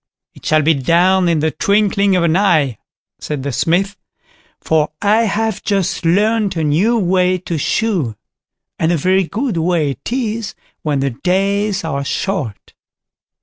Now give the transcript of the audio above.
"It shall be done in the twinkling of an eye", said the Smith, "for I have just learnt a new way to shoe; and a very good way it is when the days are short."